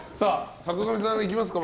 坂上さん、いきますか。